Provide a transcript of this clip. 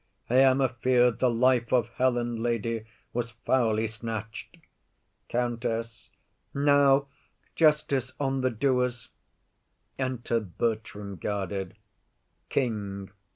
_] I am afeard the life of Helen, lady, Was foully snatch'd. COUNTESS. Now, justice on the doers! Enter Bertram, guarded. KING.